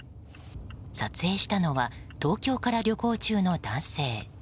撮影したのは東京から旅行中の男性。